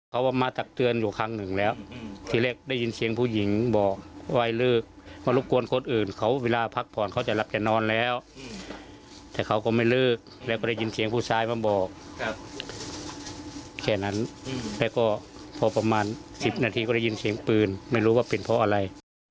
เขามาตักเตือนอยู่ครั้งหนึ่งแล้วทีแรกได้ยินเสียงผู้หญิงบอกว่าให้เลิกมารบกวนคนอื่นเขาเวลาพักผ่อนเขาจะรับจะนอนแล้วแต่เขาก็ไม่เลิกแล้วก็ได้ยินเสียงผู้ชายมาบอกแค่นั้นแล้วก็พอประมาณ๑๐นาทีก็ได้ยินเสียงปืนไม่รู้ว่าเป็นเพราะอะไร